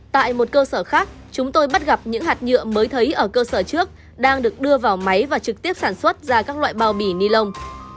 tại một cơ sở khác chúng tôi bắt gặp những hạt nhựa mới thấy ở cơ sở trước đang được đưa vào máy và trực tiếp sản xuất ra các loại bao bì ni lông